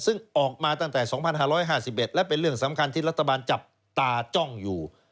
ซึ่งออกมาตั้งแต่๒๕๕๑และเป็นเรื่องสำคัญที่รัฐบาลจับตาจ้องอยู่